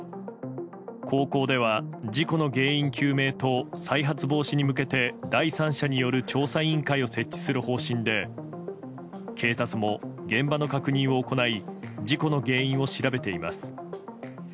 高校では事故の原因究明と再発防止に向けて第三者による調査委員会を設置する方針で警察も現場の確認を行い事故の原因を調べています。